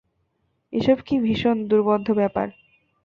এসব কী ভীষণ দুর্বোধ্য ব্যাপার!